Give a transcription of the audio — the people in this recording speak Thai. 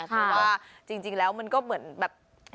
คือว่าจริงแล้วมันก็เหมือนแบบ